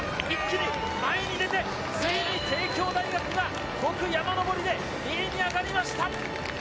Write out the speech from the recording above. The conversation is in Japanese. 一気に前に出て、ついに帝京大学が５区、山上りで２位に上がりました。